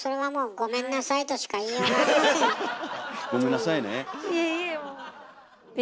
ごめんなさいね。